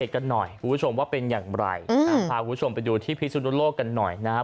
กันหน่อยคุณผู้ชมว่าเป็นอย่างไรพาคุณผู้ชมไปดูที่พิสุนุโลกกันหน่อยนะครับ